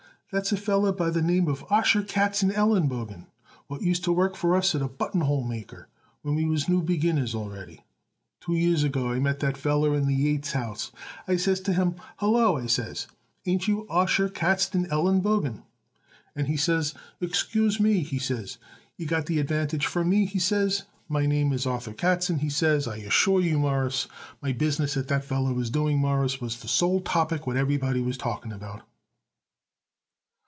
That's a feller by the name Osher Katzenelenbogen, what used to work for us as buttonhole maker when we was new beginners already. Two years ago, I met that feller in the Yates House and I says to him: 'Hallo,' I says, 'ain't you Osher Katzenelenbogen?' And he says: 'Excuse me,' he says, 'you got the advantage from me,' he says. 'My name is Arthur Katzen,' he says; and I assure you, Mawruss, the business that feller was doing, Mawruss, was the sole topic what everybody was talking about."